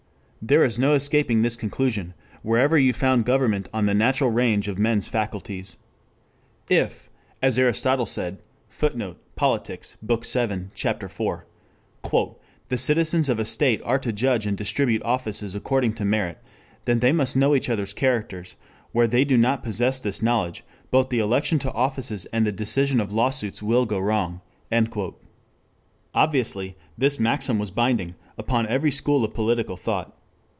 There is no escaping this conclusion, wherever you found government on the natural range of men's faculties. "If," as Aristotle said, [Footnote: Politics, Bk. VII, Ch. 4.] "the citizens of a state are to judge and distribute offices according to merit, then they must know each other's characters; where they do not possess this knowledge, both the election to offices and the decision of law suits will go wrong." Obviously this maxim was binding upon every school of political thought.